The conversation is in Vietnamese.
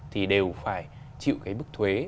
thì đều phải chịu cái bức thuế